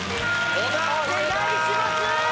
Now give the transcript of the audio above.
お願いします